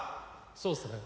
そうですね。